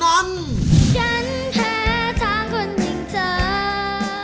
ฉันแพ้ทางคนจริงเธอ